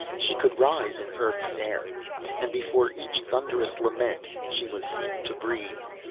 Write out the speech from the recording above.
She could rise in Earth's air. And before each thunderous lament she was seen to breathe.